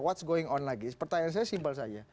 what's going on lagi pertanyaan saya simpel saja